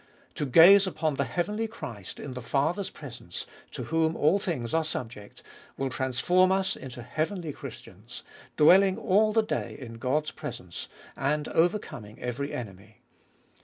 To gaze upon the heavenly Christ in the Father's presence, to whom all things are subject, will transform us into heavenly Christians, dwelling all the day in God's presence, and overcoming every enemy.